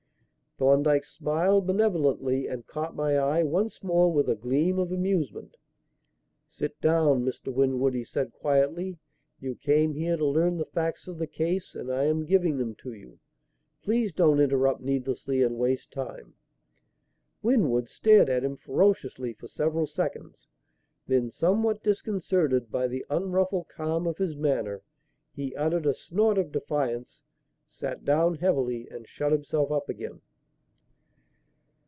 Thorndyke smiled benevolently and caught my eye, once more, with a gleam of amusement. "Sit down, Mr. Winwood," he said quietly. "You came here to learn the facts of the case, and I am giving them to you. Please don't interrupt needlessly and waste time." Winwood stared at him ferociously for several seconds; then, somewhat disconcerted by the unruffled calm of his manner, he uttered a snort of defiance, sat down heavily and shut himself up again.